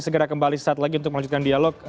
segera kembali saat lagi untuk melanjutkan dialog